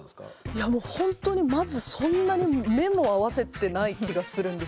いやもうほんとにまずそんなに目も合わせてない気がするんですよね。